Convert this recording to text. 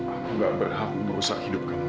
aku gak berhak merusak hidup kamu juli